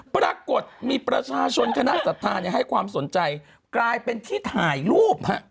ปรากฏมีประชาชนคณะศรัทธาให้ความสนใจกลายเป็นที่ถ่ายรูป